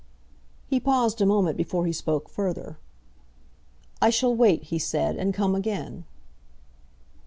He paused a moment before he spoke further. "I shall wait," he said, "and come again."